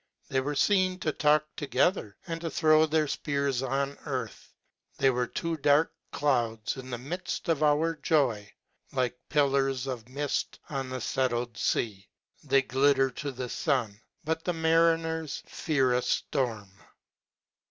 They were feen to talk together, and to tlirow their jpears on earth. They were two dark clouds, in the midft of our joy •, like pillars of mift on the fettled fea. They glitter to the fun, but the ma riners fear a ftorm.